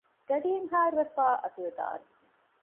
ގަޑިއެއްހާއިރުވެފައި އަތުވެދާނެ